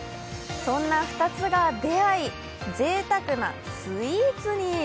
そんな２つが出会い、ぜいたくなスイーツに。